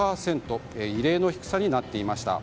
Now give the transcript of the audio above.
異例の低さになっていました。